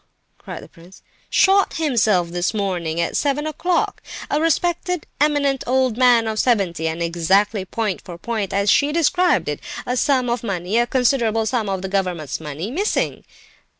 cried the prince. "Shot himself this morning, at seven o'clock. A respected, eminent old man of seventy; and exactly point for point as she described it; a sum of money, a considerable sum of government money, missing!"